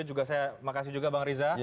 saya juga terima kasih juga bang riza